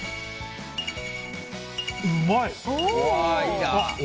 うまい！